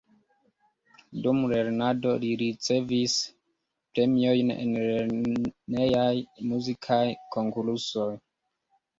Dum lernado li ricevis premiojn en lernejaj muzikaj konkursoj.